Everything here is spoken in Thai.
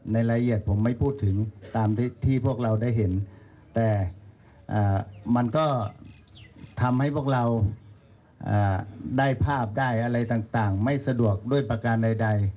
รายละเอียดผมไม่พูดถึงตามที่พวกเราได้เห็นแต่มันก็ทำให้พวกเราได้ภาพได้อะไรต่างไม่สะดวกด้วยประการใด